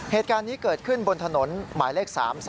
เหตุการณ์นี้เกิดขึ้นบนถนนหมายเลข๓๓